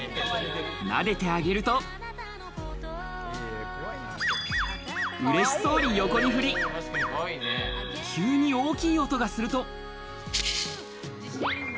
なでてあげると嬉しそうに横に振り、急に大きい音がすると。